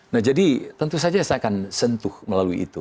nah jadi tentu saja saya akan sentuh melalui itu